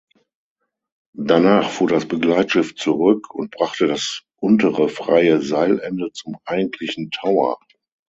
Danach fuhr das Begleitschiff zurück und brachte das untere freie Seilende zum eigentlichen Tauer.